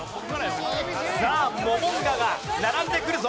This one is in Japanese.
さあモモンガが並んでくるぞ。